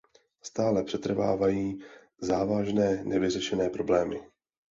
Stále přetrvávají závažné nevyřešené problémy.